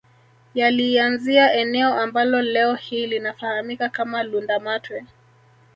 Yaliianzia eneo ambalo leo hii linafahamika kama Lundamatwe